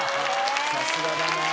さすがだな。